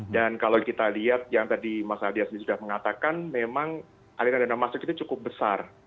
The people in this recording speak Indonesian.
dan kalau kita lihat yang tadi mas adias ini sudah mengatakan memang aliran dana masuk itu cukup besar